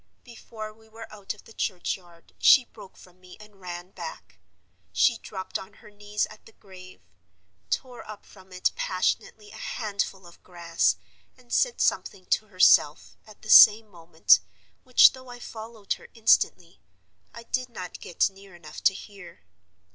Before we were out of the churchyard she broke from me and ran back. She dropped on her knees at the grave; tore up from it passionately a handful of grass; and said something to herself, at the same moment, which, though I followed her instantly, I did not get near enough to hear.